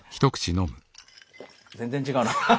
全然違うな。